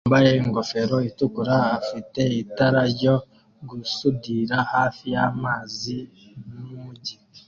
Umugabo wambaye ingofero itukura afite itara ryo gusudira hafi y'amazi n'umujyi